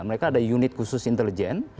mereka ada unit khusus intelijen